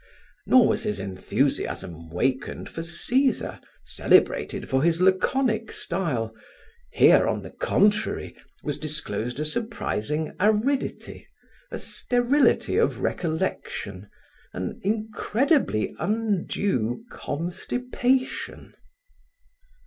Nor was his enthusiasm wakened for Caesar, celebrated for his laconic style. Here, on the contrary, was disclosed a surprising aridity, a sterility of recollection, an incredibly undue constipation.